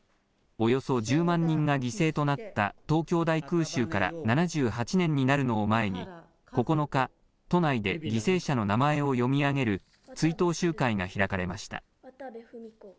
およそ１０万人が犠牲となった東京大空襲から７８年になるのを前に、９日、都内で犠牲者の名前を読み上げる追悼集会が開かれました。